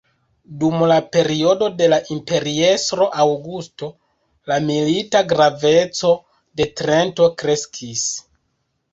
Dum la periodo de la imperiestro Augusto, la milita graveco de Trento kreskis.